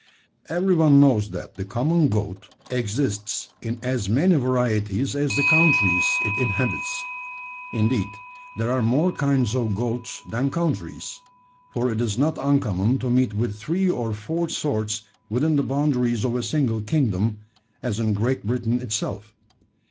"Every one knows that the common goat exists in as many varieties as the countries it inhabits. Indeed, there are more kinds of goats than countries: for it is not uncommon to meet with three or four sorts within the boundaries of a single kingdom as in Great Britain itself.